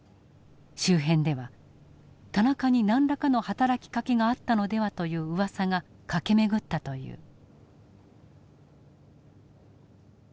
周辺では田中に何らかの働きかけがあったのではという噂が駆け巡ったという。